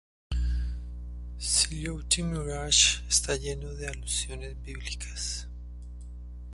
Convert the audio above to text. Silhouette Mirage está lleno de alusiones bíblicas.